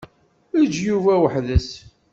Eǧǧ Yuba weḥd-s.